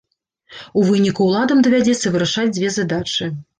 У выніку ўладам давядзецца вырашаць дзве задачы.